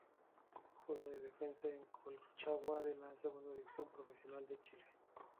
Juega de defensa en Colchagua de la Segunda División Profesional de Chile.